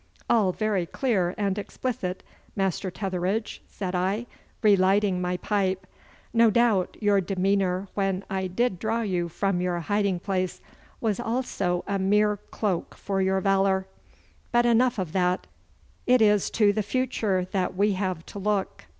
'All very clear and explicit, Master Tetheridge,' said I, re lighting my pipe. 'No doubt your demeanour when I did draw you from your hiding place was also a mere cloak for your valour. But enough of that. It is to the future that we have to look.